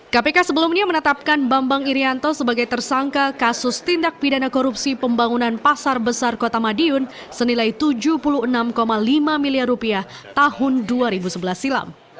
kpk sebelumnya menetapkan bambang irianto sebagai tersangka kasus tindak pidana korupsi pembangunan pasar besar kota madiun senilai rp tujuh puluh enam lima miliar tahun dua ribu sebelas silam